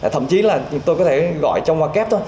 thậm chí là tôi có thể gọi trong hoa kép thôi